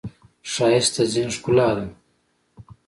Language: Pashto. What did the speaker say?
ښایست د ذهن ښکلا ده